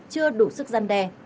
chưa đủ sức gian đe